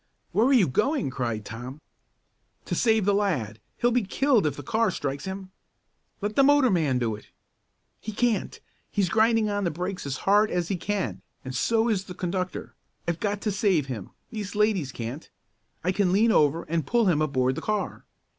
"Where are you going?" cried Tom. "To save that lad! He'll be killed if the car strikes him!" "Let the motorman do it!" "He can't! He's grinding on the brakes as hard as he can and so is the conductor. I've got to save him these ladies can't! I can lean over and pull him aboard the car."